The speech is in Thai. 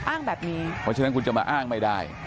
อ้างแบบนี้เพราะฉะนั้นคุณจะมาอ้างไม่ได้